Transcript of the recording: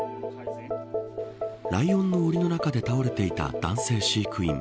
ライオンのおりの中で倒れていた男性飼育員。